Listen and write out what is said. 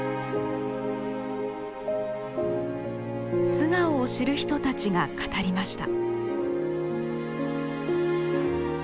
素顔を知る人たちが語りました。